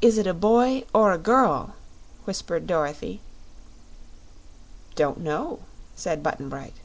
"Is it a boy or a girl?" whispered Dorothy. "Don't know," said Button Bright.